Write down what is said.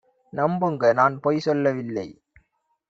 நம்புங்க! நான் பொய் சொல்லவில்லை